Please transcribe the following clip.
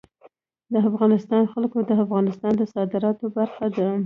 د افغانستان جلکو د افغانستان د صادراتو برخه ده.